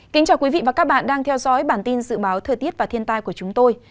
kính chào quý vị và các bạn đang theo dõi bản tin dự báo thời tiết và thiên tai của chúng tôi